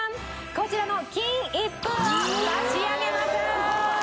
こちらの金一封を差し上げます！